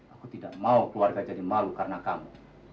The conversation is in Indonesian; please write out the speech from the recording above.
aku tidak mau keluarga jadi malu karena kamu